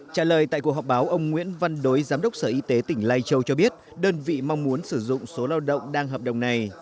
trả lời tại cuộc họp báo ông nguyễn văn đối giám đốc sở y tế tỉnh lai châu cho biết đơn vị mong muốn sử dụng số lao động đang hợp đồng này